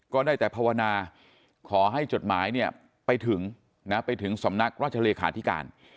ก็ได้แต่ภาวนาขอให้จดหมายเนี่ยไปถึงไปถึงสำนักราชเลขาธิการ